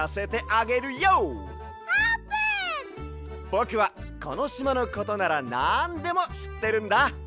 ぼくはこのしまのことならなんでもしってるんだ。